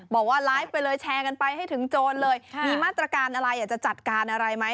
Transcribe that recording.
บอกว่าไลฟ์ไปเลยแชร์กันไปให้ถึงโจรเลยมีมาตรการอะไรอยากจะจัดการอะไรไหม